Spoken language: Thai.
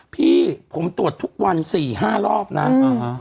พี่ผมตรวจทุกวัน๔๕รอบนะอ๋อฮะ